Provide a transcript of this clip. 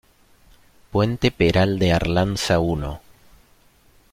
Puente Peral de Arlanza I